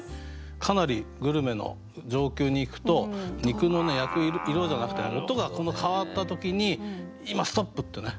かなりグルメの上級にいくと肉の焼く色じゃなくて音が変わった時に「今！ストップ！」ってね。